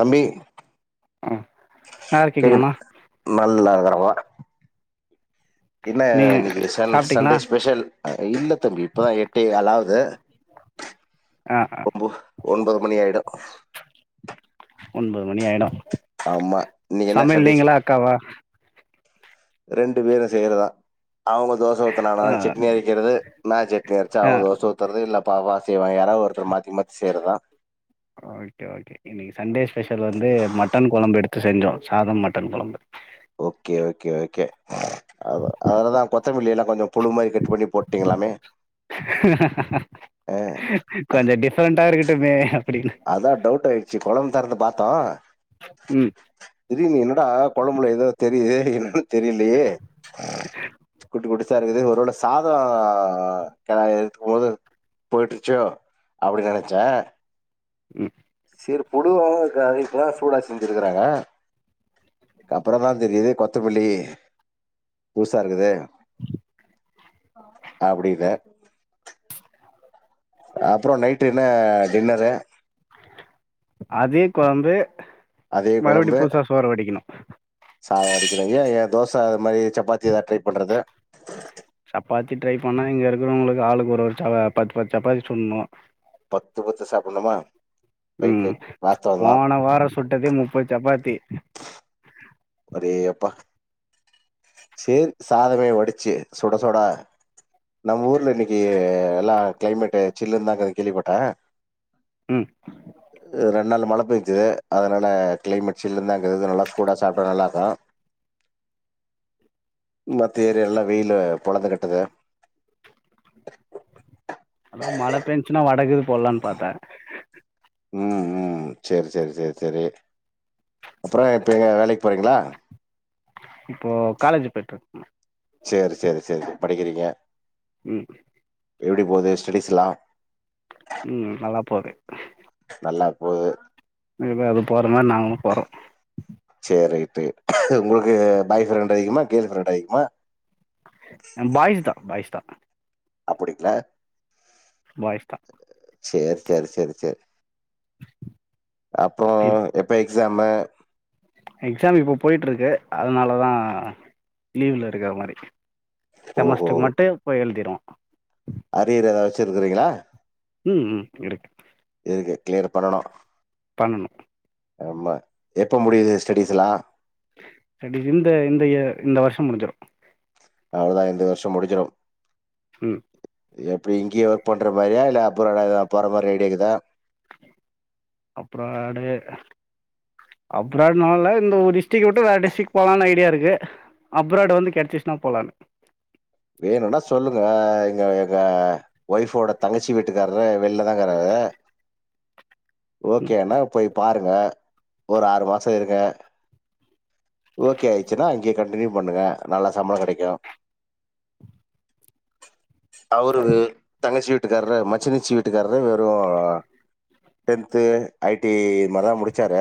தம்பி ஆஹ் கேக்குது நல்லா இருங்கிறமா என்ன நீங்க இன்னைக்கு சாப்ட்டீங்களா சண்டே ஸ்பெஷல் இல்ல தம்பி இப்பதான் எட்டேகால்லாவுது ஆ ஆ நம்ப ஒன்பது மணி ஆயிடும் ஒன்பது மணி ஆகிடும் ஆமா இன்னிக்கு என்ன சண்டே ஸ்பெஷல் அக்காவா ரெண்டு பேரும் செய்றதான் அவங்க தோசை ஊத்துனா ஆ நான் சட்னி அரிக்கிறது நா சட்னி அரிச்ச ஆ அவங்க தோசை ஊத்துறது இல்ல அப்புடி செய்வான் யாராவது ஒருத்தர் மாத்தி மாத்தி செய்றதான் ஓகே ஓகே இன்னைக்கு செஞ்சோம் சாதம் மட்டன் கொழம்பு ஓகே ஓகே ஓகே வரும் கொஞ்சம் டிஃப்ரெண்டண்டா இருக்கு இருக்கட்டுமே அப்டின்னு அதான் டவுட் ஆயிடுச்சு கொழம்பு திறந்து பார்த்த தா ம் திடீர்னு என்னடா கொழம்புல ஏதோ தெரியுது [unintelligible] தெரியலயே குட் குட் சரி இது ஒருவேள சாதோ கெளறி எடுக்கும் போது போயிட்ருச்சோ அப்டி நெனைச்சே ம் சேரி பொதுவா கெடைக்குன்னுதா சூடா செஞ்சிருக்கறாங்க க அப்புறந்தா தெரியுது கொத்தமல்லி புதுசா இருக்குது அப்டின்னு அப்புறோ நைட்டு என்ன டின்னரு? அதே கொழம்பு அதே மறுபடி கொழம்பு புதுசா சோறு வடிக்கணு சாதோ வடி க்கணு ஏ ஏ தோச அது மாரி சப்பாத்தி எதா ட்ரை பண்றது சப்பாத்தி ட்ரை பண்ணா இங்க இருக்கிறவங்களுக்கு ஆளுக்கு ஒரு ஒரு சா பத்து பத்து சப்பாத்தி சுடுனு பத்து பத்து சாப்டுணுமா ம் போன வாரோ சுட்டதே முப்பது சப்பாத் தி அடேயப்பா சேரி சாதமே வடிச்சி சுட சுட நம்ம ஊர்ல இன்னக்கி எல்லா கிளைமேட்டு சில்லுன்னுதா இருக்குன்னு கேள்விப்பட்டே ம் எதுனா நல்லா மழ பேஞ்சுது அதனால கிளைமேட் சில்லுன்னுதா அங்க இருக்குது நல்லா சூடா சாப்டா நல்லா இருக்கு மத்த ஏரியா எல்லா வெயிலு பொளந்து கட்டுது அதா மழ பேஞ்ச்சுனா வட கீது போட்லான்னு பாத்தே ம் ம் சேரி சேரி சேரி சேரி அப்றோ இப்ப எங்க வேலக்கி போறீங்களா? இப்போ காலேஜு போயிட்ருக் சேரி சேரி சேரி படிக்கிறீங்க ம் எப்டி போகுது ஸ்டெடிஸ்ல்லா? ம் நல்லா போகுது. நல்லா போகுது எதோ அது போற மாரி நாங்களு போறோ த்து உங்களுக்கு பாய் ஃப்ரெண்ட் அதிகமா கேள் ஃப்ரெண்ட் அதிகமா? பாய்ஸ் தா பாய்ஸ் தா அப்டிங்களா? பாய்ஸ் தா சேரி சேரி சேரி சேரி அப்றோ எப்ப எ க்ஸாமு? எக்ஸாமு இப்ப போய்ட்ருக்கு அதனாலதா லீவ்ல இருக்கற மாரி செமஸ்ட்ருக்கு மட்டு போய் எழுதிருவோ அரியரு ஏதாச்சு எழுதறீங்களா? ம் ம் இருக்கு கிளியர் பண்ணணு பண்ணணும் ஆமா எப்ப முடியுது ஸ்டடிஸ் எல்லாம் இந்த இந்த இந்த இயர் வருஷம் முடிஞ்சிடும் அவ்வளதான் இந்த வருஷம் முடிச்சிடும் உம் எப்படி இங்கேயே ஒர்க் பண்ற மாதிரியா இல்ல அப்ராடு போற மாதிரி ஐடியா இருக்குதா அப்ராடு அப்ராடுனால இந்த ஒரு டிஸ்டரிக் விட்டு டிஸ்டரிக் போலான்னு ஐடியா இருக்கு அப்ராடு வந்து கெடைச்சிச்சுன்னா போலானு வேணும்னா சொல்லுங்க எங்க எங்க ஒய்ப்போட தங்கச்சி வீட்டுக்காரர் வெளிலதா இருக்குறாரு ஓகேனா போய் பாருங்க ஒரு ஆறு மாசம் இருங்க ஓகே ஆயிடுச்சுன்னா அங்கயே கண்டினியூ பண்ணுங்க நல்ல சம்பளம் கெடைக்கும் அவரு தங்கச்சி மச்சினிச்சி வீட்டுகாரரு வெறும் டென்த் ஐடிஐ முடிச்சாரு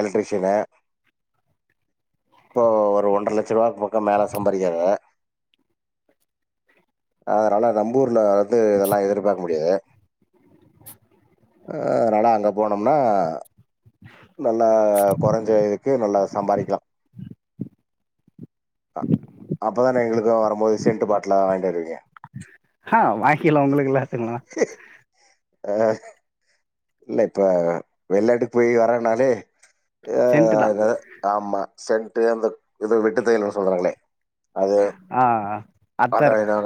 எலக்ட்ரிசன் ஒன்றரை லட்ச ரூபா மேல சம்பாதிக்கிறங்க ஆஹ நம்பூர்ல வந்து இதெல்லாம் எதிர்பார்க்க முடியாது அதனால அங்க போன ம்னா நல்லா குறைஞ்ச இதுக்கு நல்லா சம்பாதிக்கலாம் அப்பதானே எங்களுக்கு வரும்போது செண்ட் பாட்டல வாங்கிட்டு வருவிங்க ஆஹ் வாங்கிலாம் உங்களுக்கு இல்லாத்துக்கலா ஆஹ் இல்ல இப்ப வெளிநாட்டுக்கு போய் வரேனாலே ஏ சென்ட்டு தா ஆமா சென்ட் அந்த இது விண்டு தைலம் சொல்றாங்களே அது ஆ அத்தர் அதுனால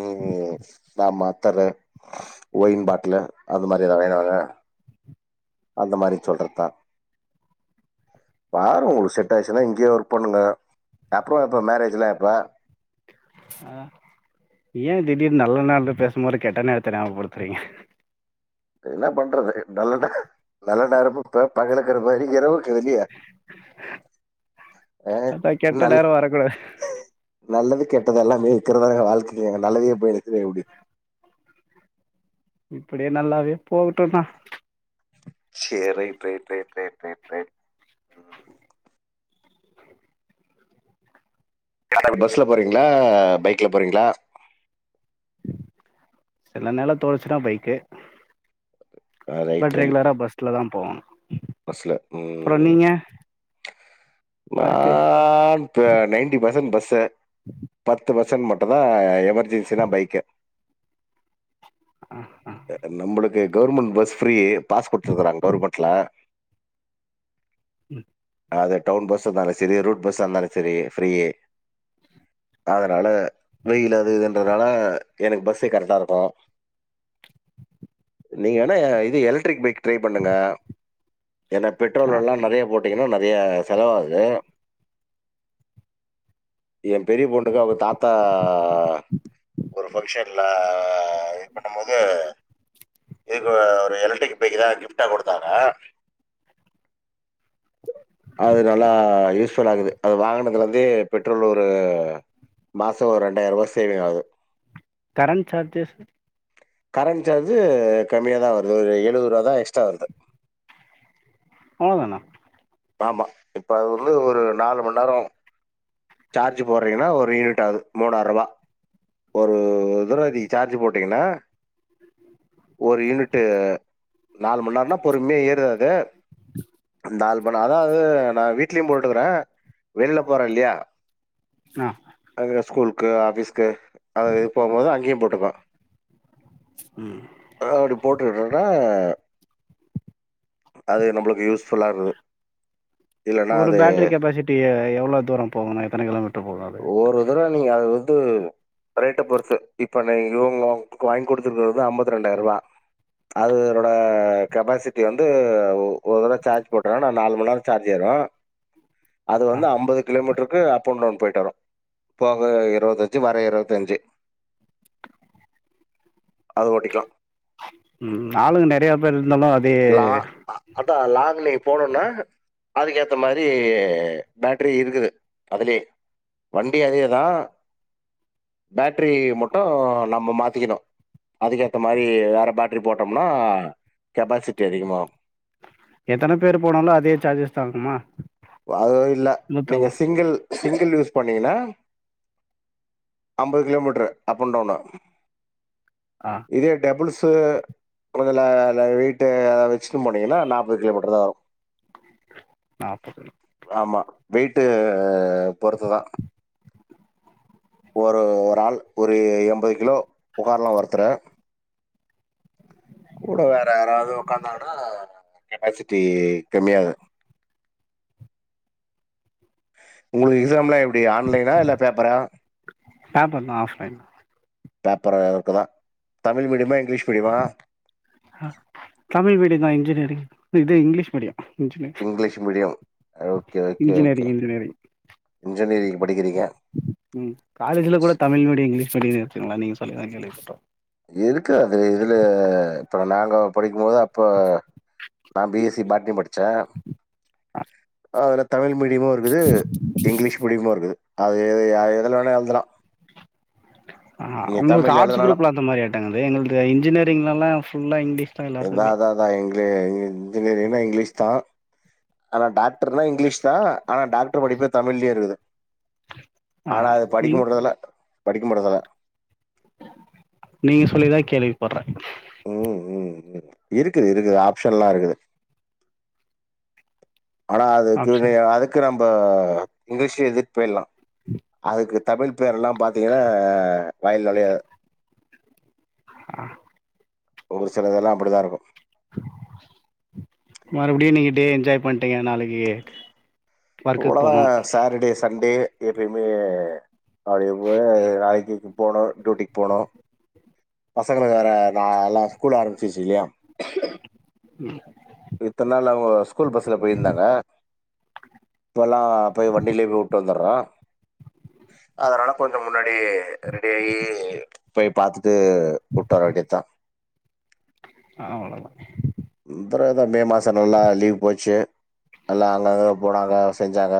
உம் நாம ஒத்தரு ஒயின் பாட்டிலு அந்த மாதிரி எதாவது வாங்கி வாங்க அந்த மாதிரி சொல்றதுதான் பாருங்க உங்களுக்கு செட் ஆச்சுன்னா இங்கேயே ஒர்க் பண்ணுங்க அப்புறம் எப்ப மேரேஜ்லலாம் எப்ப ஆஹ் ஏன் திடீர் நல்ல நாள் பேசும்போது கெட்ட நேரத்த ஞாபப்படுத்துறீங்க என்ன பண்றது நல்லதா நல்லநேரம் பகல் கிற மாதிரி அ ஆ கெட்ட நல்ல நேரம் வரக்கூடாது நல்லது கெட்டத எல்லாமே இருக்கிறதாங்க வாழ்க்கையே நல்லதையே போய் எடுத்துக்க முடியது இப்படியே நல்லாவே போகட்டும்னா செரி ரைட் ரைட் பஸ்ல போறீங்களா பைக்ல போறீங்களா சில நேரம் தோணுச்சுனா பைக்கு ரைட் பட் ரைட் ரெகுலரா பஸ்ல தான் போகணு பஸ்ல அப்புறோ ம் நீங்க பர்க்கு நான் த நைன்டி பர்சன்ட் பஸ் ஸு பத்து பெர் சன்ட் மட்டுந்தா எமர்ஜென்சினா பைக்கு ஆ அ அ நம்மளுக்கு கவுர்மெண்ட் பஸ் ஃப்ரீ பாஸ் குடுத்துருக்குறாங்க கவர்மெண்ட்ல ம் அது டவுன் பஸ்ஸா இருந்தாலு சரி ரூட் பஸ்ஸா இருந்தாலு சரி ஃபீரி அதனால வெயிலு அது இதுன்றதால எனக்கு பஸ்ஸே கரெக்டா இருக்கு நீங்க வேண்ணா இது எலக்ட்ரிக் பைக் ட்ரை பண்ணுங்க ஏன்னா ஆ பெட்ரோல் எல்லா நெறைய போ ட்டீங்கன்னா நெறையா செலவாகுது ஏன் பெரிய பொண்ணுக்கு அவங்க தாத்தா ஒரு ஃபங்க்ஷன்ல ஆ இது பண்ணும் போது இது ஒரு எலக்ட்ரிக் பைக்தா கிஃப்டா குடுத்தாரு அது நல்லா யூஸ்ஃபுல் ஆகுது அது வாங்கினதுலருந்தே பெட்ரோல் ஒரு மாசோ ஒரு ரெண்டாயர்ரூவா சேவிங் ஆகுது கரண்ட் சார்ஜஸ்ஸு கரண்ட் சார்ஜு கம்மியாதா வருது ஒரு எழுவது ரூவாதா எக்ஸ்ட்ரா வருது அவ்ளதானா? ஆமா இப்ப அது வந்து ஒரு நாலு மணி நேரோ சார்ஜ் போடுறீங்கன்னா ஒரு யூனிட் ஆகுது மூனார்ருவா ஒரு தடவ நீங்க சார்ஜ் போட்டீங்கன்னா ஒரு யூனிட்டு நாலு மணி நேரம்னா பொறுமையா ஏறுது அ து நால் மண் நேரோ அதாவது நா வீட் லயு போட்டுக்குறே வெளில போற இல்லையா ஆ அங்க ஸ்கூல் க்கு ஆஃபீஸ்க்கு அதுக்கு போம்போது அங்கயும் போட்டுப்பே ம் அதா அப்டி போட்டுட்ருக்கே அ அது நம்பளுக்கு யூஸ்ஃபுல்லா இருந்துது ஒரு பேட்டரி கெப்பாசிட்டி எ எவ்ளோ தூரோ போகுண்ணே எத்தன கிலோமீட்ரு போகு அது? ஒரு தடவ நீங்க வந்து அது ரேட்ட பொறுத்து இப்பன்ன இவங்க வாங்கி குடுத்தது வந்து அம்பத்து ரெண்டாயர்ரூவா அதனோட கெப்பாசிட்டி வந்து ஒ ஒரு தடவ சார்ஜ் போட்டனா நா நாலு மணி நேரோ சார்ஜ் ஏறு அது ஆ வந்து அம்பது கிலோமீட்டரு க்கு அப் அண்ட் டவுன் போயிட்டு வரு போகம்போது இரவத்தஞ்சு வர இரவத்தஞ்சு அது ஒட்டிக்கலா ம் ஆளுக நெறைய பேர் இரு ந்தாலு அதே தா லாங் லைஃப் போனோனா அதுகேத்த மாரி பேட்ரி இருக்குது அதுலயே வண்டி அதேதா பேட்ரி மட்டு நம்ம மாதிகணு அதுகேத்த மாரி வேற பேட்டரி போட்டோம்னா கெபாசிட் சிட்டி அதிகமாகு எத்தன பேர் போனாலு அதே சார்ஜஸ் தா ஆகுமா அதுவு இல்ல நீங்க நூத்தாலு சிங்கிள் சிங்கிள் யூஸ் பண்ணீங்கனா அம்பது கிலோமீடர் அப் அண் டவுன்னா ஆ இதே டபுள்ஸ் பு கொஞ்சல வெய்டு வச்சுட் போனிங்னா நாபது கிலோமீடர் தா வரு நாபது கிலோமீட்டர் ஆமா வெய்ட்டு பொறுத்துதா ஒரு ஒரு ஆள் ஒரு எம்பது கிலோ உகாரலா ஒருத்தற கூட வேற யாராவது உகாந்தானா கெபாசிடி கமியாது உங்களுகு எக்ஸாம்லா எப்டி ப்டி ஆன்லைனா இல்ல பேபரா பேப்பர் தா ஆஃப்லைன் பேப்பராக்கலா தமிழ் மீடியமா இங் தமிழ் மீடிய தா இன்ஜினியர் இது English medium engineer English medium okay okay okay engineering engineering engineering படிக்கிறீங்க ம் காலேஜ்ல கூட தமிழ் மீடியோ இங்லீஷ் மீடியோ இருக்குங்ளா நீங்க சொல்லிதா கேள்விபட்டோ இருக்கு அது இதில இப்ப நாங்கோ படிக்கு போது அப்ப நா பி எஸ் சி பாட்னி படிச்ச ஆ அதுல தமிழு மீடியமு இருகுது இங்லீஷ் மீடியமு இருகுது அது எது எதுல வேணா எழுதுலா ஆ உங்ளுகு ஆட்ஸ் குரூப்லந்த மாரி இரு ங்கது எங்குள்து இன்ஜினிரிங் எல்லா ஃபுல்லா இங்லிஷ் எதா அதா தா எங்ளே இன்ஜினியரிங்னா இங்லீஷ் தா ஆனா டாக்டர்னா இங்லீஷ் தா ஆனா டாக்டர் படிபே தமிழே இருகுது ஆ ஆனா அது நீ படிக்க முட்றதுல படிக்கமடதல நீங்க சொல்லிதா கேள்வி படுற ம் ம் இருக்குது இருக்குது ஆப்ஷன்லா இருக்குது ஆனா அதுகுனு ஆப்ஷன் அதுக்கு நம் ப்ப இங்லீஷ்லயே எழிதிட் பொய்லா அதுகு தமிழ் பேர்லா பாத்தீங்கனா வாயில நொழையாது ஆ ஒருசிலதெல்லா அப்பிடிதா இருக்கு மறுபடியு நீங்க டே என்ஜாய் பண்ட்டீங்க நாளைக்கி அவ்ளவுதா சாட்டர்டே சண்டே எப்பயுமே அது [unintelligible] போகணு டியூட்டிக்கு போகணு பசங்களுக்கு வேற நா எல்லா ஸ்கூல் ஆரம்பிச்சிருச்சு இல்லயா ம் இத்தன நாள் அவுங்க ஸ்கூல் பஸ்ல போயிருந்தாங்க. இப்ப எல்லா போய் வண்டியிலயே போய் விட்டு வந்துர்றோ அதனால கொஞ்ச முன்னாடி ரெடி ஆகி போய் பாத்துட்டு விட்டு வர வேண்டியதுதா அவ்ளதா இந் தடவ எதோ மே மாசோ நல்லா லீவ் போச்சு எல்லா அங்கங்க போனாங்க செஞ்சாங்க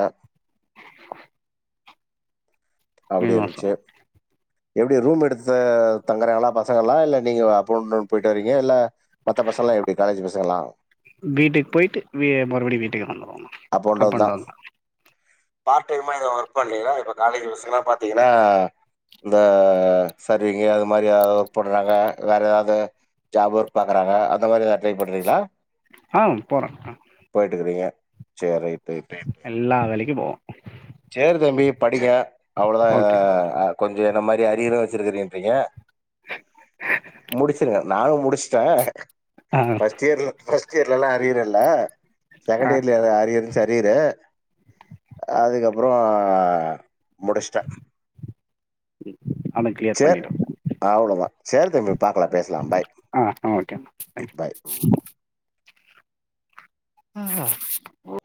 மே அப்டி மாசோ இருந்துச்சு எப்டி ரூம் எடுத்து தங்கறாங்களா பசங்க எல்லா இல்ல நீங்க அப் அண்ட் டவுனு போயிட்டு வரீங்க இல்ல வீட்டுக்கு போயிட்டு வீ மறுபடி வீட்டுக்கு வந்துருவோண்ணா அப் அண்ட் டவுன்தா பார்ட் டைமா எதாவது ஒர்க் பண்றீங்களா இப்ப காலேஜு பச ங்கல்லா பாத்தீங்கன்னா இந்த சர்விங்கு அது மாரி எதாவது ஒர்க் பண்றாங்க வேற எதாவது ஜாப் ஒர்க் பாக்கறாங்க அந்த மாரி எதா ட்ரை பண்றீங்களா ஆ போறே அ சேரி right right right right right வேலைக்கு போவோ சேரி தம்பி படிங்க அவ்ளதா ஓகே ஆ கொஞ்ச என்ன மாரி அரியர் வேற வச்சிருக்கறன்றீங்க முடிச்சிருங்க நானு முடிச்சுட்டே ஆ ஃபஸ்ட் இயர்ல ஃபஸ்ட் இயர்லல்லா அரியர் இல்ல செகண்ட் ஆ இயர்ல அது அரியர் இருந்துச்சு அரியரு அதுக்கப் புறோ முடிச்சுட்டே அத கிளியர் சேர் பண்ணிடுவோ அவ்ளதா சேரி தம்பி பாக்கலா பேசலா பாய் ஆ ஓகேண்ணா பாய் ம் தேங்க்யூ ஆ ஓ